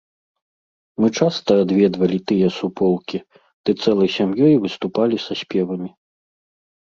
Мы часта адведвалі тыя суполкі ды цэлай сям'ёй выступалі са спевамі.